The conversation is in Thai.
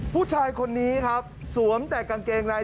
ผู้ชายคนนี้ครับสวมแต่กางเกงใน